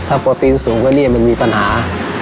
โปรตีนสูงกว่านี้มันมีปัญหา